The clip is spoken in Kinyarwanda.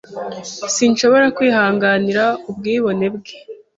Sinshobora kwihanganira ubwibone bwe.